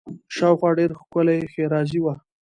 شاوخوا ډېره ښکلې ښېرازي وه.